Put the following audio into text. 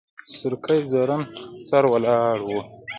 سورکی ځوړند سر ولاړ و.